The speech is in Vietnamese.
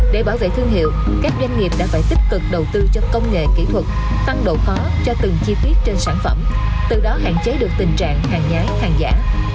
để bảo vệ thương hiệu các doanh nghiệp đã phải tích cực đầu tư cho công nghệ kỹ thuật tăng độ khó cho từng chi tiết trên sản phẩm từ đó hạn chế được tình trạng hàng nhái hàng giả